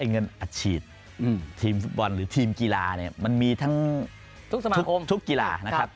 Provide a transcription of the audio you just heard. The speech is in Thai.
เงินอัดฉีดทีมฟุตบอลหรือทีมกีฬาเนี่ยมันมีทั้งทุกกีฬานะครับ